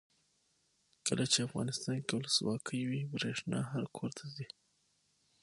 کله چې افغانستان کې ولسواکي وي برښنا هر کور ته ځي.